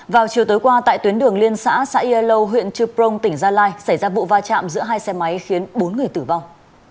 vào chiều tối qua tại tuyến đường liên xã xã yalo huyện trư prong tỉnh gia lai xảy ra vụ va chạm giữa hai xe máy khiến bốn người tử vong